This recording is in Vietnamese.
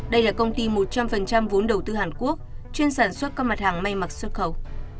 đây là công ty một trăm linh vốn đầu tư hàn quốc chuyên sản xuất các mặt hàng may mặc xuất khẩu